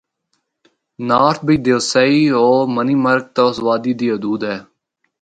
نارتھ بچ دیوسائی ہو منی مرگ تک اس وادی دی حدود ہے۔